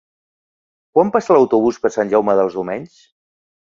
Quan passa l'autobús per Sant Jaume dels Domenys?